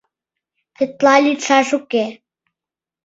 Тетла лӱдшаш уке.